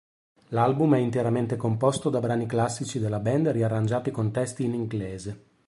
L'album è interamente composto da brani classici della band riarrangiati con testi in inglese.